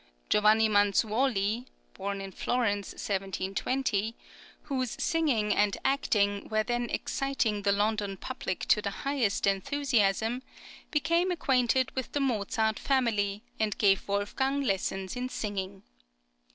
Giovanni Manzuoli (born in Florence, 1720),[20033] whose singing and acting were then exciting the London public to the highest enthusiasm,[20034] became acquainted with the Mozart family, and gave Wolfgang lessons in singing.